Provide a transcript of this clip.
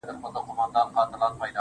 تاته سلام په دواړو لاسو كوم.